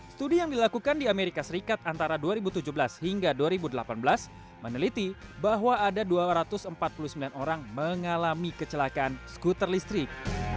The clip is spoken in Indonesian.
studi yang dilakukan di amerika serikat antara dua ribu tujuh belas hingga dua ribu delapan belas meneliti bahwa ada dua ratus empat puluh sembilan orang mengalami kecelakaan skuter listrik